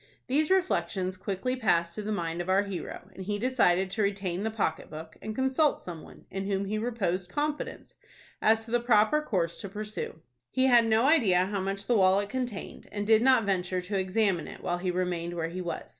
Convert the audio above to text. These reflections quickly passed through the mind of our hero, and he decided to retain the pocket book, and consult some one, in whom he reposed confidence, as to the proper course to pursue. He had no idea how much the wallet contained, and did not venture to examine it while he remained where he was.